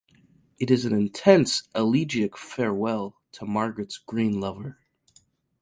It is an intense elegiac farewell to Margaret's 'green lover'.